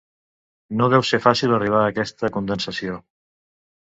No deu ser fàcil arribar a aquesta condensació?